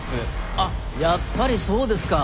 あっやっぱりそうですか。